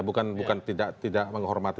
bukan tidak menghormati